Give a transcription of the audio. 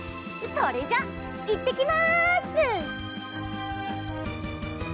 それじゃいってきます！